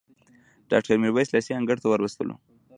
ډاکټر میرویس لېسې انګړ ته وروستلو.